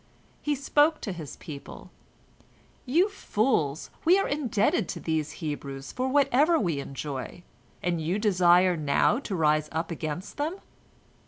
He spoke to his people, "You fools, we are indebted to these Hebrews for whatever we enjoy, and you desire now to rise up against them?"